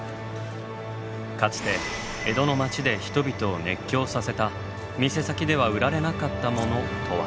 かつて江戸の街で人々を熱狂させた「店先では売られなかったもの」とは？